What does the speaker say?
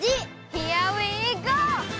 ヒアウィーゴー！